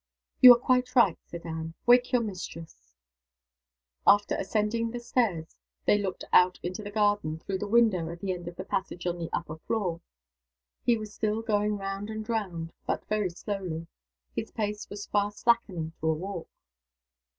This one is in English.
"You are quite right," said Anne. "Wake your mistress." After ascending the stairs, they looked out into the garden, through the window at the end of the passage on the upper floor. He was still going round and round, but very slowly: his pace was fast slackening to a walk.